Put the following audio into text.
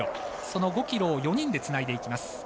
その５ｋｍを４人でつないでいきます。